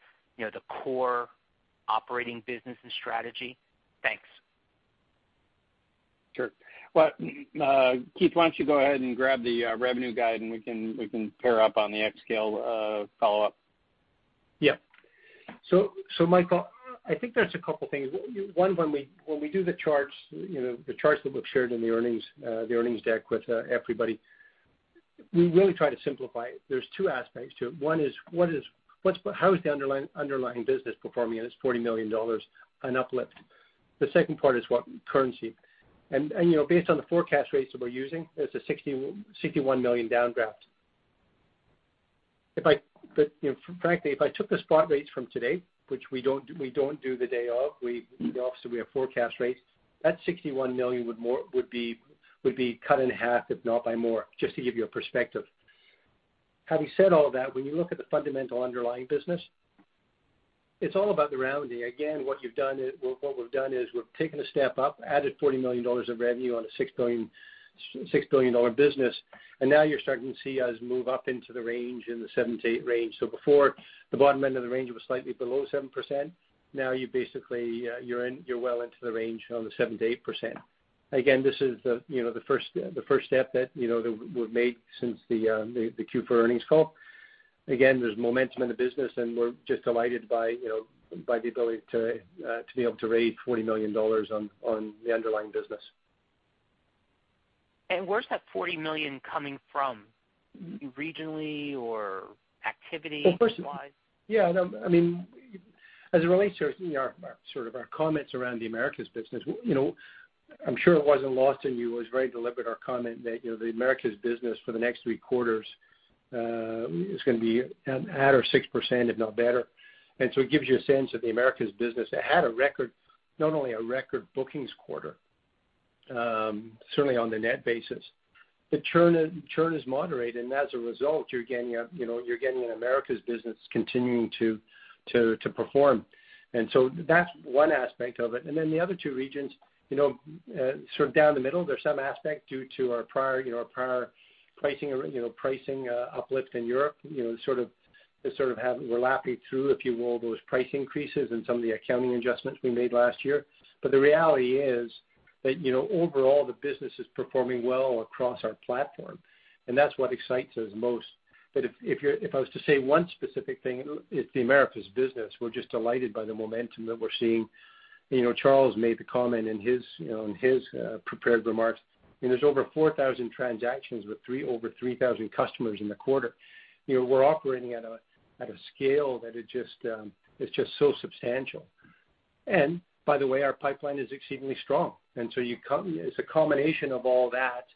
core operating business and strategy? Thanks. Sure. Well, Keith, why don't you go ahead and grab the revenue guide, and we can pair up on the xScale follow-up? Yeah. Michael, I think there's a couple things. One, when we do the charts that we've shared in the earnings deck with everybody, we really try to simplify it. There's two aspects to it. One is how is the underlying business performing, and it's $40 million in uplift. The second part is what currency. Based on the forecast rates that we're using, it's a $61 million downdraft. Frankly, if I took the spot rates from today, which we don't do the day of, we obviously have forecast rates, that $61 million would be cut in half, if not by more, just to give you a perspective. Having said all that, when you look at the fundamental underlying business, it's all about the rounding. Again, what we've done is we've taken a step up, added $40 million of revenue on a $6 billion business. Now you're starting to see us move up into the range in the 7%-8% range. Before, the bottom end of the range was slightly below 7%. Now you basically you're well into the range on the 7%-8%. Again, this is the first step that we've made since the Q4 earnings call. Again, there's momentum in the business. We're just delighted by the ability to be able to raise $40 million on the underlying business. Where's that $40 million coming from regionally or activity-wise? As it relates to sort of our comments around the Americas business, I'm sure it wasn't lost on you. It was very deliberate, our comment that the Americas business for the next three quarters is going to be at or 6%, if not better. It gives you a sense of the Americas business. It had a record, not only a record bookings quarter, certainly on the net basis. The churn is moderate, and as a result, you're getting an Americas business continuing to perform. That's one aspect of it. The other two regions, sort of down the middle, there's some aspect due to our prior pricing uplift in Europe. We're lapping through, if you will, those price increases and some of the accounting adjustments we made last year. The reality is that overall the business is performing well across our platform, and that's what excites us most. If I was to say one specific thing, it's the Americas business. We're just delighted by the momentum that we're seeing. Charles made the comment in his prepared remarks. There's over 4,000 transactions with over 3,000 customers in the quarter. We're operating at a scale that is just so substantial. By the way, our pipeline is exceedingly strong. It's a combination of all that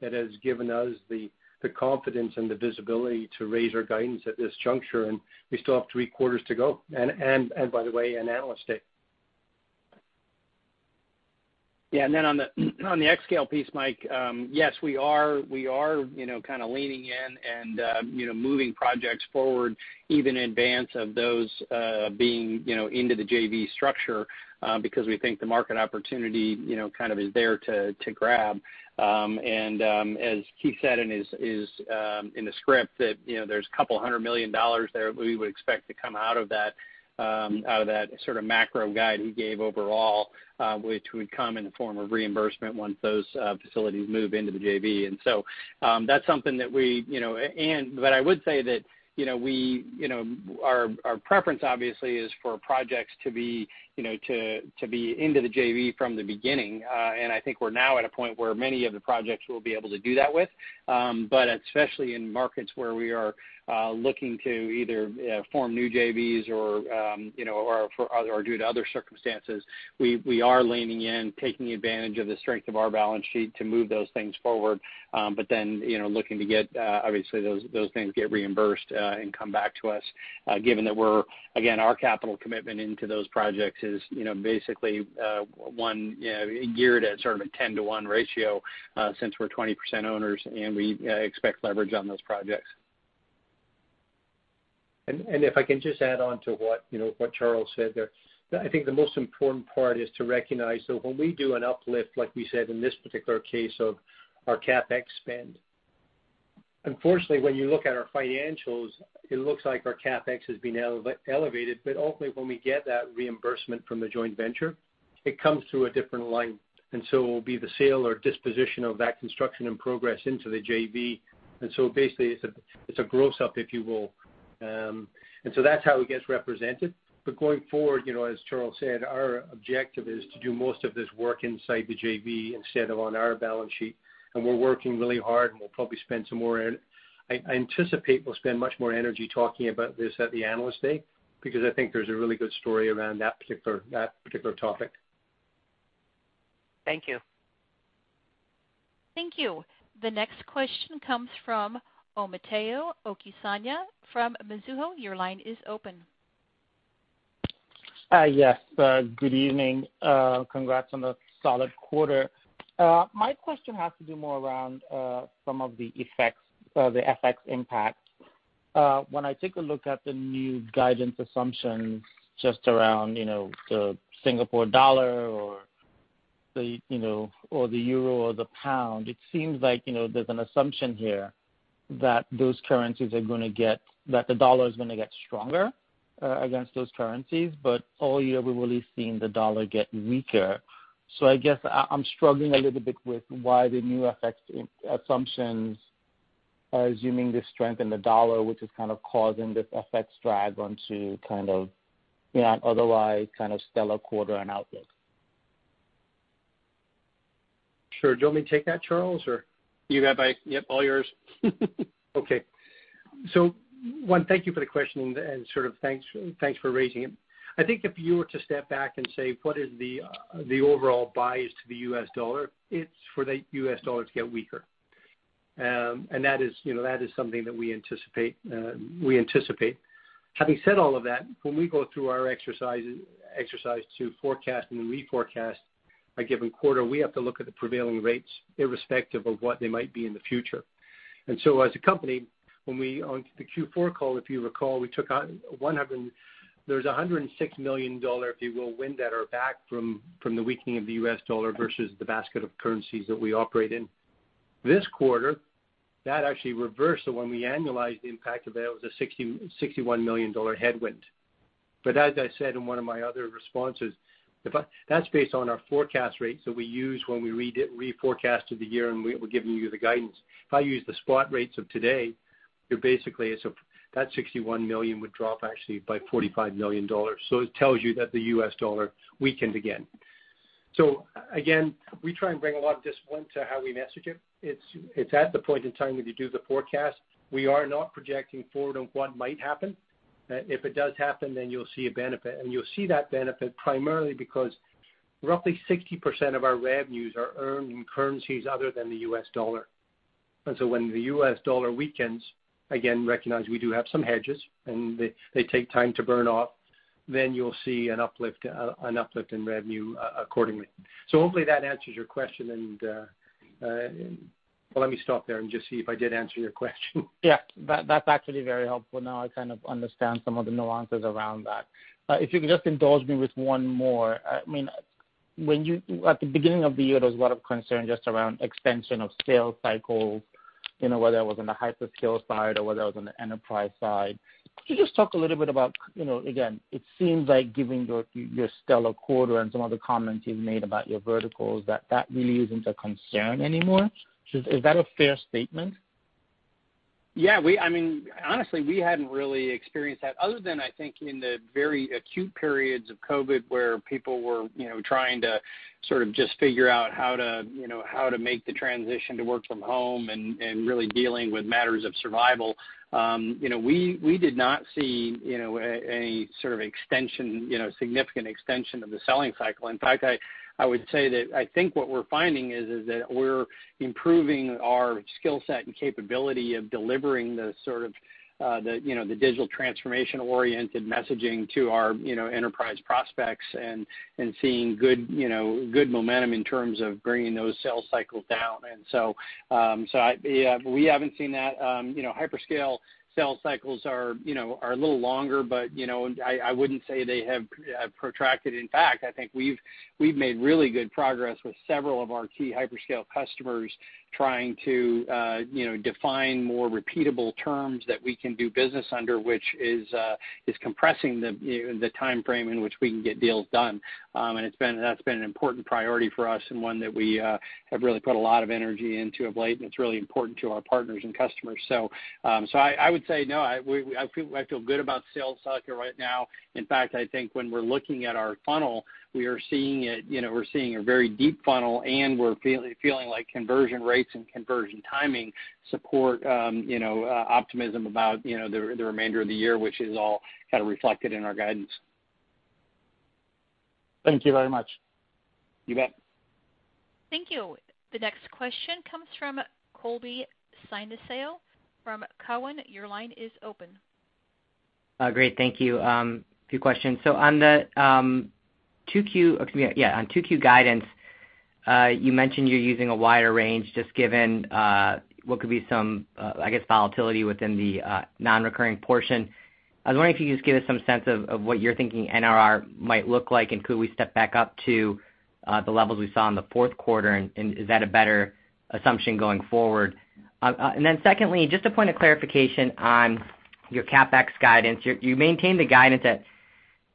that has given us the confidence and the visibility to raise our guidance at this juncture, and we still have three quarters to go. By the way, an Analyst Day. Yeah. On the xScale piece, Mike, yes, we are kind of leaning in and moving projects forward, even in advance of those being into the JV structure because we think the market opportunity kind of is there to grab. As Keith said in the script, that there's a couple $100 million there we would expect to come out of that sort of macro guide he gave overall, which would come in the form of reimbursement once those facilities move into the JV. I would say that our preference obviously is for projects to be into the JV from the beginning. I think we're now at a point where many of the projects we'll be able to do that with. Especially in markets where we are looking to either form new JVs or due to other circumstances, we are leaning in, taking advantage of the strength of our balance sheet to move those things forward. Looking to get, obviously, those things get reimbursed and come back to us, given that, again, our capital commitment into those projects is basically geared at sort of a 10:1 ratio, since we're 20% owners, and we expect leverage on those projects. If I can just add on to what Charles said there. I think the most important part is to recognize, when we do an uplift, like we said in this particular case of our CapEx spend, unfortunately, when you look at our financials, it looks like our CapEx has been elevated. Ultimately, when we get that reimbursement from the joint venture, it comes through a different line. It will be the sale or disposition of that construction in progress into the JV. Basically, it's a gross-up, if you will. That's how it gets represented. Going forward, as Charles said, our objective is to do most of this work inside the JV instead of on our balance sheet. We're working really hard, and we'll probably spend much more energy talking about this at the Analyst Day because I think there's a really good story around that particular topic. Thank you. Thank you. The next question comes from Omotayo Okusanya from Mizuho. Your line is open. Yes. Good evening. Congrats on the solid quarter. My question has to do more around some of the effects of the FX impact. When I take a look at the new guidance assumptions just around the Singapore dollar or the euro or the pound, it seems like there's an assumption here that the dollar is going to get stronger against those currencies. All year, we've really seen the dollar get weaker. I guess I'm struggling a little bit with why the new FX assumptions are assuming the strength in the dollar, which is kind of causing this FX drag onto kind of an otherwise kind of stellar quarter and outlook. Sure. Do you want me to take that, Charles, or? You have it, Keith. Yep, all yours. Okay. one, thank you for the question and sort of thanks for raising it. I think if you were to step back and say, what is the overall bias to the U.S. dollar? It's for the U.S. dollar to get weaker. That is something that we anticipate. Having said all of that, when we go through our exercise to forecast, and when we forecast a given quarter, we have to look at the prevailing rates irrespective of what they might be in the future. As a company, on the Q4 call, if you recall, there's $106 million, if you will, wind at our back from the weakening of the U.S. dollar versus the basket of currencies that we operate in. This quarter, that actually reversed. When we annualized the impact of that, it was a $61 million headwind. As I said in one of my other responses, that's based on our forecast rates that we use when we reforecasted the year and we're giving you the guidance. If I use the spot rates of today, basically that $61 million would drop actually by $45 million. It tells you that the U.S. dollar weakened again. Again, we try and bring a lot of discipline to how we message it. It's at the point in time when we do the forecast. We are not projecting forward on what might happen. If it does happen, then you'll see a benefit. You'll see that benefit primarily because roughly 60% of our revenues are earned in currencies other than the U.S. dollar. When the U.S. dollar weakens, again, recognize we do have some hedges, and they take time to burn off, then you'll see an uplift in revenue accordingly. Hopefully that answers your question. Well, let me stop there and just see if I did answer your question. Yeah. That's actually very helpful. I kind of understand some of the nuances around that. If you could just indulge me with one more. At the beginning of the year, there was a lot of concern just around extension of sales cycles, whether it was on the xScale side or whether it was on the enterprise side. Can you just talk a little bit about, again, it seems like given your stellar quarter and some of the comments you've made about your verticals, that really isn't a concern anymore. Is that a fair statement? Yeah. Honestly, we hadn't really experienced that other than, I think, in the very acute periods of COVID where people were trying to just figure out how to make the transition to work from home and really dealing with matters of survival. We did not see any sort of significant extension of the selling cycle. In fact, I would say that I think what we're finding is that we're improving our skillset and capability of delivering the digital transformation-oriented messaging to our enterprise prospects and seeing good momentum in terms of bringing those sales cycles down. We haven't seen that. Hyperscale sales cycles are a little longer, but I wouldn't say they have protracted. In fact, I think we've made really good progress with several of our key hyperscale customers trying to define more repeatable terms that we can do business under, which is compressing the timeframe in which we can get deals done. That's been an important priority for us and one that we have really put a lot of energy into of late, and it's really important to our partners and customers. I would say no, I feel good about sales cycle right now. In fact, I think when we're looking at our funnel, we are seeing a very deep funnel, and we're feeling like conversion rates and conversion timing support optimism about the remainder of the year, which is all kind of reflected in our guidance. Thank you very much. You bet. Thank you. The next question comes from Colby Synesael from Cowen. Your line is open. Great. Thank you. A few questions. On 2Q guidance, you mentioned you're using a wider range, just given what could be some, I guess, volatility within the non-recurring portion. I was wondering if you could just give us some sense of what you're thinking NRR might look like, and could we step back up to the levels we saw in the fourth quarter, and is that a better assumption going forward? Secondly, just a point of clarification on your CapEx guidance. You maintained the guidance at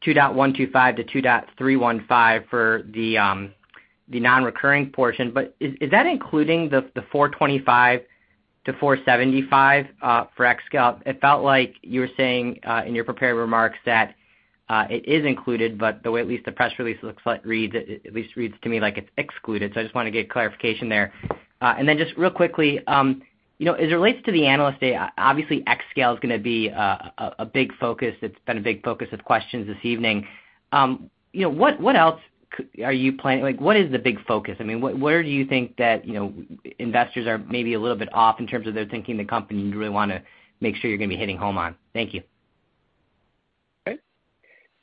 $2.125 billion-$2.315 billion for the non-recurring portion, but is that including the $425 million-$475 million for xScale? It felt like you were saying in your prepared remarks that it is included, but the way at least the press release looks like reads, at least reads to me like it's excluded. I just want to get clarification there. Just real quickly, as it relates to the Analyst Day, obviously xScale is going to be a big focus. It's been a big focus of questions this evening. What is the big focus? Where do you think that investors are maybe a little bit off in terms of their thinking the company and you really want to make sure you're going to be hitting home on? Thank you.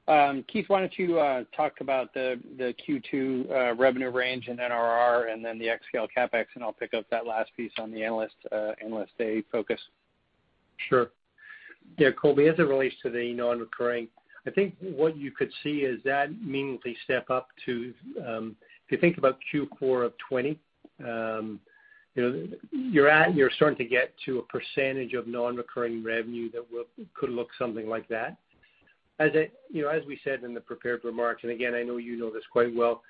Okay. Keith, why don't you talk about the Q2 revenue range and NRR and then the xScale CapEx, and I'll pick up that last piece on the Analyst Day focus. Sure. Yeah, Colby, as it relates to the non-recurring, I think what you could see is that meaningfully step up to, if you think about Q4 of 2020, you're starting to get to a percentage of non-recurring revenue that could look something like that. As we said in the prepared remarks, and again, I know you know this quite well,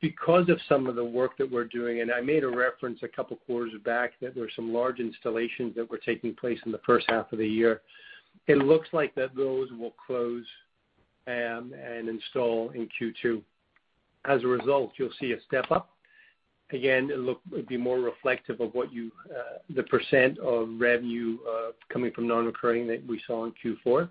because of some of the work that we're doing, and I made a reference a couple quarters back that there were some large installations that were taking place in the first half of the year. It looks like that those will close and install in Q2. As a result, you'll see a step-up. Again, it'll be more reflective of the % of revenue coming from non-recurring that we saw in Q4.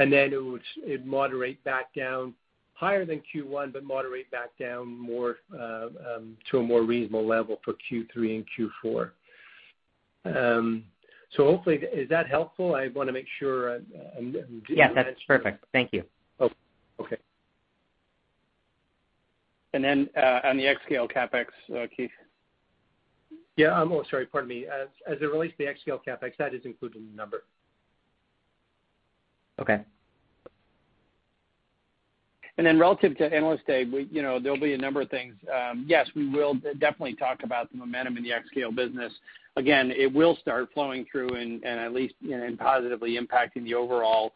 It would moderate back down higher than Q1, but moderate back down to a more reasonable level for Q3 and Q4. Hopefully, is that helpful? Yes, that is perfect. Thank you. Okay. On the xScale CapEx, Keith. Yeah. Oh, sorry. Pardon me. As it relates to the xScale CapEx, that is included in the number. Okay. Relative to Analyst Day, there'll be a number of things. We will definitely talk about the momentum in the xScale business. It will start flowing through and at least positively impacting the overall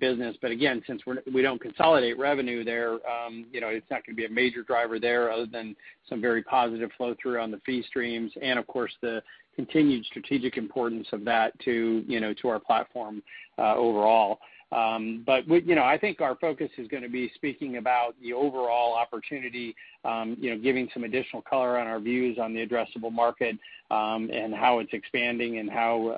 business. Since we don't consolidate revenue there, it's not going to be a major driver there other than some very positive flow-through on the fee streams and, of course, the continued strategic importance of that to our platform overall. I think our focus is going to be speaking about the overall opportunity, giving some additional color on our views on the addressable market, and how it's expanding and how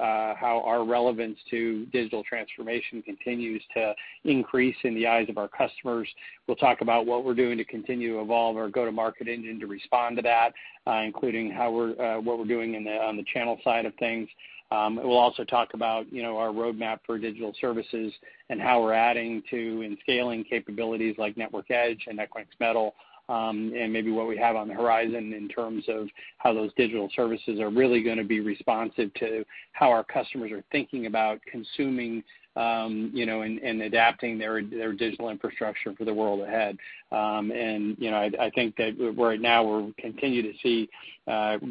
our relevance to digital transformation continues to increase in the eyes of our customers. We'll talk about what we're doing to continue to evolve our go-to-market engine to respond to that, including what we're doing on the channel side of things. We'll also talk about our roadmap for digital services and how we're adding to and scaling capabilities like Network Edge and Equinix Metal, and maybe what we have on the horizon in terms of how those digital services are really going to be responsive to how our customers are thinking about consuming and adapting their digital infrastructure for the world ahead. I think that right now we continue to see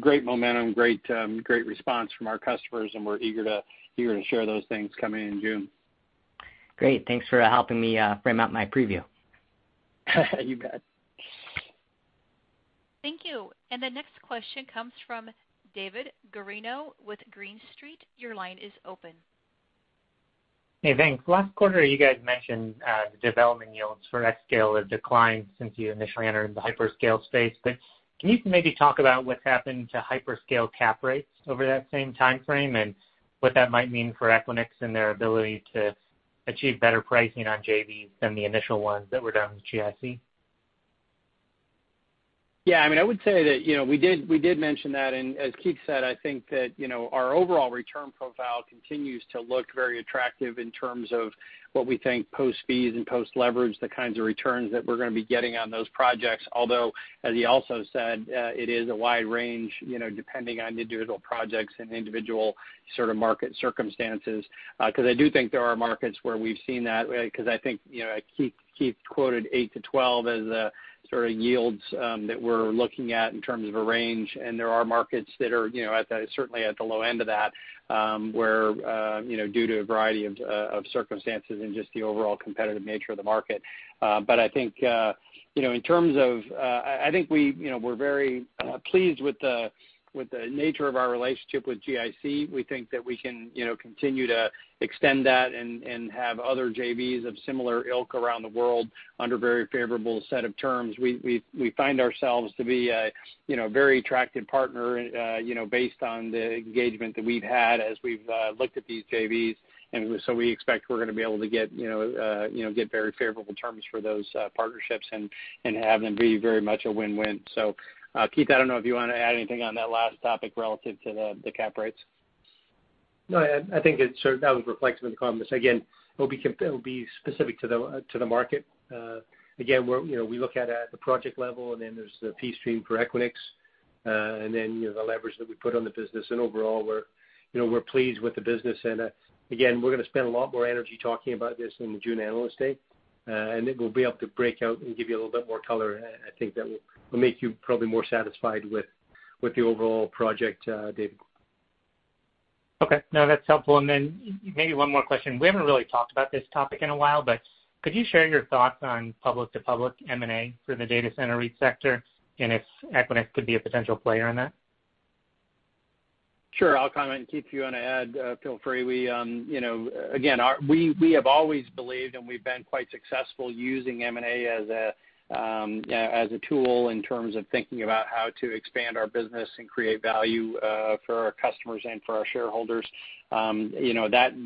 great momentum, great response from our customers, and we're eager to share those things coming in June. Great. Thanks for helping me frame out my preview. You bet. Thank you. The next question comes from David Guarino with Green Street. Your line is open. Hey, thanks. Last quarter, you guys mentioned the development yields for xScale have declined since you initially entered the hyperscale space. Can you maybe talk about what's happened to hyperscale cap rates over that same timeframe and what that might mean for Equinix and their ability to achieve better pricing on JVs than the initial ones that were done with GIC? Yeah, I would say that we did mention that, and as Keith said, I think that our overall return profile continues to look very attractive in terms of what we think post-fees and post-leverage, the kinds of returns that we're going to be getting on those projects. As he also said, it is a wide range, depending on individual projects and individual market circumstances. I do think there are markets where we've seen that, because I think Keith quoted eight to 12 as the sort of yields that we're looking at in terms of a range, and there are markets that are certainly at the low end of that, where due to a variety of circumstances and just the overall competitive nature of the market. I think we're very pleased with the nature of our relationship with GIC. We think that we can continue to extend that and have other JVs of similar ilk around the world under very favorable set of terms. We find ourselves to be a very attractive partner based on the engagement that we've had as we've looked at these JVs, we expect we're going to be able to get very favorable terms for those partnerships and have them be very much a win-win. Keith, I don't know if you want to add anything on that last topic relative to the CapEx rates. No, I think that was reflective in the comments. Again, it'll be specific to the market. Again, we look at it at the project level, and then there's the fee stream for Equinix, and then the leverage that we put on the business. Overall, we're pleased with the business. Again, we're going to spend a lot more energy talking about this in the June Analyst Day. Then we'll be able to break out and give you a little bit more color, I think that will make you probably more satisfied with the overall project, David. Okay. No, that's helpful. Maybe one more question. We haven't really talked about this topic in a while. Could you share your thoughts on public-to-public M&A for the data center REIT sector, and if Equinix could be a potential player in that? Sure. I'll comment. Keith, you want to add, feel free. Again, we have always believed, and we've been quite successful using M&A as a tool in terms of thinking about how to expand our business and create value for our customers and for our shareholders.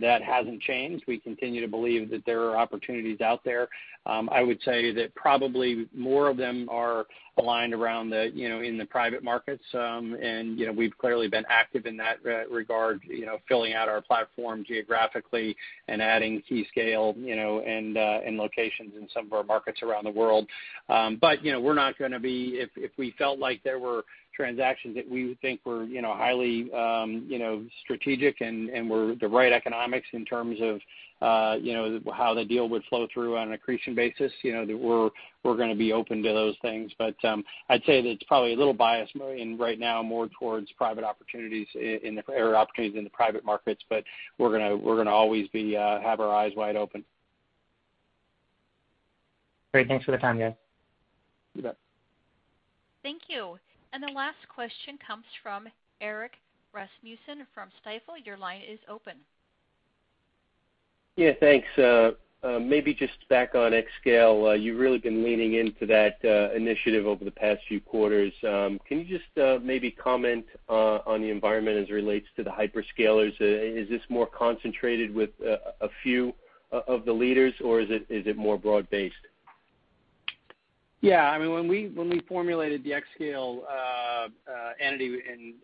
That hasn't changed. We continue to believe that there are opportunities out there. I would say that probably more of them are aligned around in the private markets. We've clearly been active in that regard, filling out our platform geographically and adding key scale and locations in some of our markets around the world. If we felt like there were transactions that we would think were highly strategic and were the right economics in terms of how the deal would flow through on an accretion basis, we're going to be open to those things. I'd say that it's probably a little biased right now more towards private opportunities or opportunities in the private markets, but we're going to always have our eyes wide open. Great. Thanks for the time, guys. You bet. Thank you. The last question comes from Erik Rasmussen from Stifel. Your line is open. Yeah, thanks. Maybe just back on xScale. You've really been leaning into that initiative over the past few quarters. Can you just maybe comment on the environment as it relates to the hyperscalers? Is this more concentrated with a few of the leaders, or is it more broad based? When we formulated the xScale entity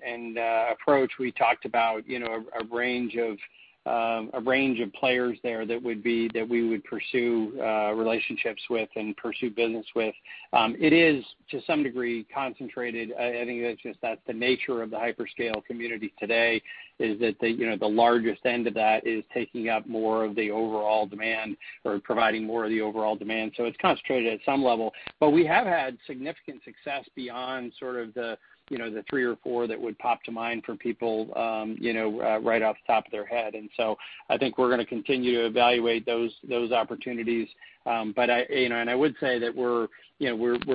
and approach, we talked about a range of players there that we would pursue relationships with and pursue business with. It is, to some degree, concentrated. I think that's just the nature of the hyperscale community today is that the largest end of that is taking up more of the overall demand or providing more of the overall demand. It's concentrated at some level. We have had significant success beyond the three or four that would pop to mind for people right off the top of their head. I think we're going to continue to evaluate those opportunities. I would say that we're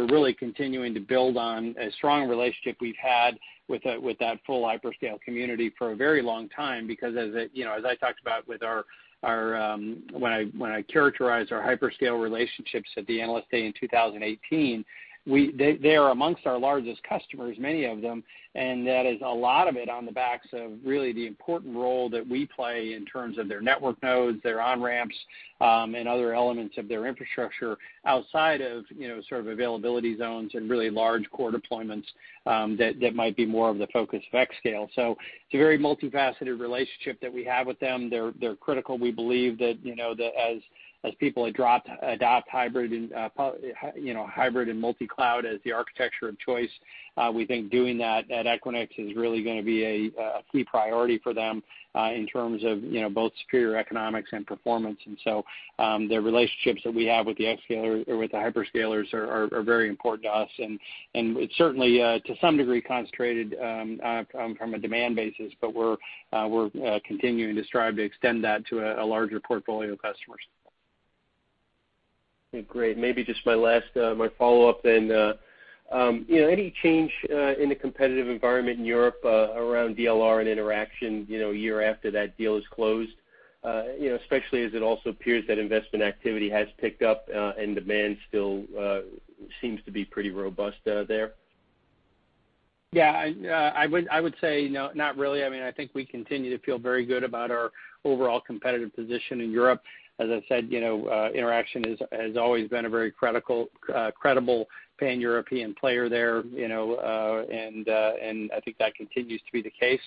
really continuing to build on a strong relationship we've had with that full hyperscale community for a very long time because as I talked about when I characterized our hyperscale relationships at the Analyst Day in 2018, they are amongst our largest customers, many of them, and that is a lot of it on the backs of really the important role that we play in terms of their network nodes, their on-ramps, and other elements of their infrastructure outside of availability zones and really large core deployments that might be more of the focus of xScale. It's a very multifaceted relationship that we have with them. They're critical. We believe that as people adopt hybrid and multi-cloud as the architecture of choice, we think doing that at Equinix is really going to be a key priority for them in terms of both superior economics and performance. The relationships that we have with the hyperscalers are very important to us, and it's certainly to some degree concentrated from a demand basis, but we're continuing to strive to extend that to a larger portfolio of customers. Great. Maybe just my follow-up. Any change in the competitive environment in Europe around DLR and Interxion a year after that deal has closed, especially as it also appears that investment activity has picked up and demand still seems to be pretty robust there? Yeah. I would say not really. I think we continue to feel very good about our overall competitive position in Europe. As I said, Interxion has always been a very credible pan-European player there, and I think that continues to be the case.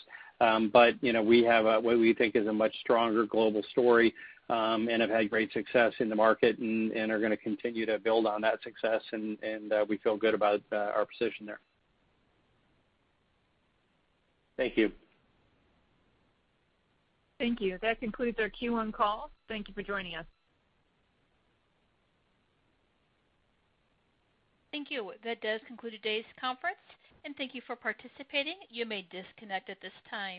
We have what we think is a much stronger global story and have had great success in the market and are going to continue to build on that success, and we feel good about our position there. Thank you. Thank you. That concludes our Q1 call. Thank you for joining us. Thank you. That does conclude today's conference, and thank you for participating. You may disconnect at this time.